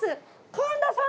神田さん！